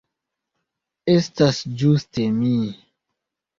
Estas ĝuste mi.